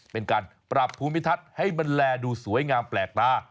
เป็นการปรับภูมิทัศน์ให้มันแลดูสวยงามแปลกตา